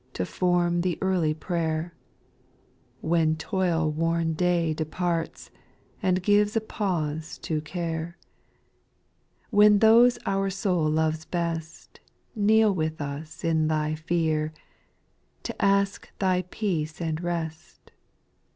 To form the early prayer ; When toil worn day departs, And gives a pause to care ; When those our soul loves, best, Kneel with U5 in Thy fear. To ask Thy peace and rest.